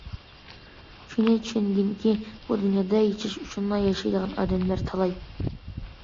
شۇنى چۈشەنگىنكى، بۇ دۇنيادا ياشاش ئۈچۈنلا ياشايدىغان ئادەملەر تالاي.